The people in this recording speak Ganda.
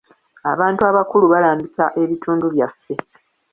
Abantu abakulu balambika ebitundu byaffe.